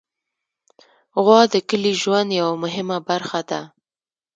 غوا د کلي ژوند یوه مهمه برخه ده.